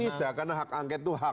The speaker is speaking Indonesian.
bisa karena hak angket itu hak